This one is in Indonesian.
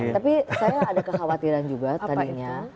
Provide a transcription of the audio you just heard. tapi saya ada kekhawatiran juga tadinya